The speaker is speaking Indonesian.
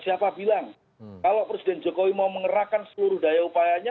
siapa bilang kalau presiden jokowi mau mengerahkan seluruh daya upayanya